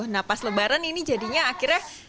nah pas lebaran ini jadinya akhirnya